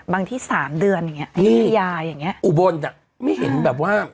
ที่สามเดือนอย่างเงี้ยุธยาอย่างเงี้อุบลอ่ะไม่เห็นแบบว่า